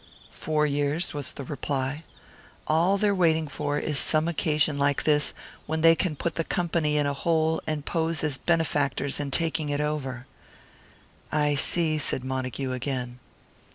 "Four years," was the reply; "all they're waiting for is some occasion like this, when they can put the Company in a hole, and pose as benefactors in taking it over." "I see," said Montague, again.